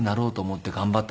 って。